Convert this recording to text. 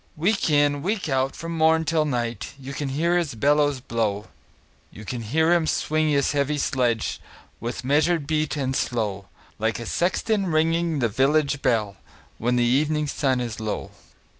Week in, week out, from morn till night, You can hear his bellows blow; You can hear him swing his heavy sledge, With measured beat and slow, Like a sexton ringing the village bell, When the evening sun is low.